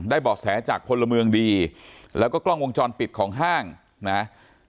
เบาะแสจากพลเมืองดีแล้วก็กล้องวงจรปิดของห้างนะฮะ